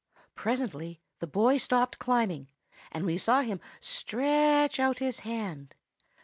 "Presently the boy stopped climbing, and we saw him stretch out his hand.